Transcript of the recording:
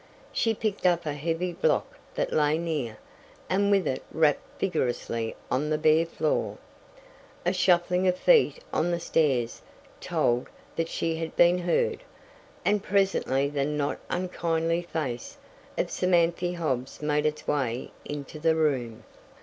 She picked up a heavy block that lay near, and with it rapped vigorously on the bare floor. A shuffling of feet on the stairs told that she had been heard, and presently the not unkindly face of Samanthy Hobbs made its way into the room.